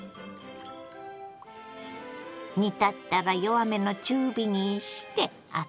煮立ったら弱めの中火にしてアクを除き。